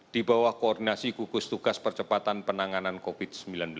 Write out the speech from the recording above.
di bawah koordinasi gugus tugas percepatan penanganan covid sembilan belas